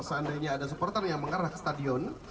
seandainya ada supporter yang mengarah ke stadion